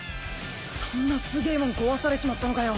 そんなすげぇもん壊されちまったのかよ。